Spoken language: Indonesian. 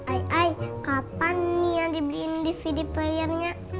ai ai kapan nia dibeliin dvd player nya